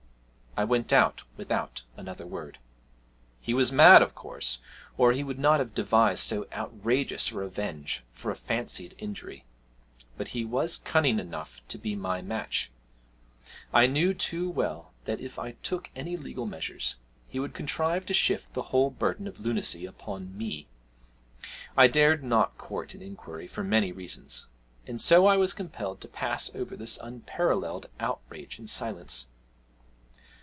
I went out without another word; he was mad, of course, or he would not have devised so outrageous a revenge for a fancied injury, but he was cunning enough to be my match. I knew too well that if I took any legal measures, he would contrive to shift the whole burden of lunacy upon me. I dared not court an inquiry for many reasons, and so I was compelled to pass over this unparalleled outrage in silence.